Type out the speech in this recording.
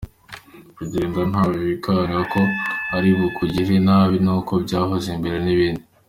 Kugenda nta we wikanga ko ari bukugirire nabi nk’uko byahoze mbere n’ibindi.